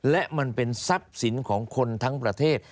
และมันเป็นทรัพย์สินของคนทั้งประเทศ